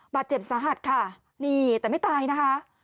บาดเจ็บสาหัสค่ะนี่แต่ไม่ตายนะคะ